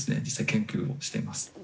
実際研究をしています。